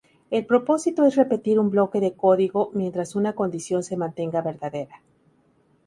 El propósito es repetir un bloque de código mientras una condición se mantenga verdadera.